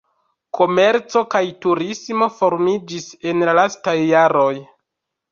Komerco kaj turismo formiĝis en la lastaj jaroj.